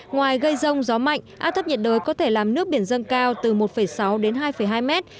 ngoài gây rông gió mạnh áp thấp nhiệt đới có thể làm nước biển dâng cao từ một sáu đến hai hai mét